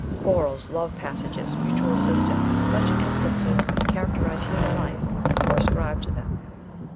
Quarrels, love passages, mutual assistance, and such instances as characterize human life, were ascribed to them."